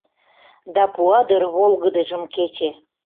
Да пуа дыр волгыдыжым кече